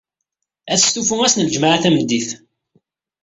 Ad testufu ass n ljemɛa tameddit?